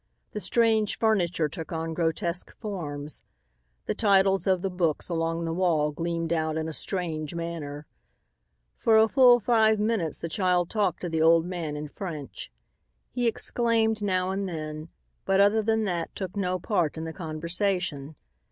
The strange furniture took on grotesque forms. The titles of the books along the wall gleamed out in a strange manner. For a full five minutes the child talked to the old man in French. He exclaimed now and then, but other than that took no part in the conversation.